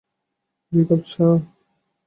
দুই কাপ চা।